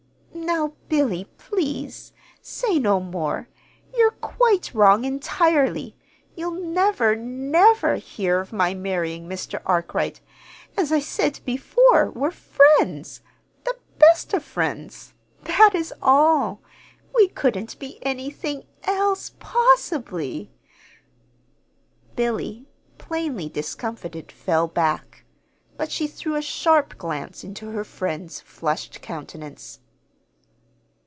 "Now, Billy, please! Say no more. You're quite wrong, entirely. You'll never, never hear of my marrying Mr. Arkwright. As I said before, we're friends the best of friends; that is all. We couldn't be anything else, possibly!" Billy, plainly discomfited, fell back; but she threw a sharp glance into her friend's flushed countenance.